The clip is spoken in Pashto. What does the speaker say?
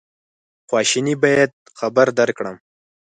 خواشیني باید خبر درکړم.